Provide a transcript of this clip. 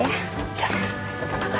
ya tenang aja